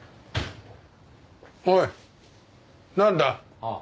おいなんだ？ああ。